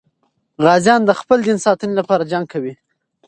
غازیان د خپل دین ساتنې لپاره جنګ کوي.